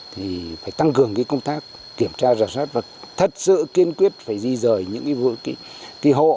thì phải tăng cường công tác kiểm tra rào sát và thật sự kiên quyết phải di rời những vụ kỳ hộ